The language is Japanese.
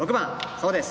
そうです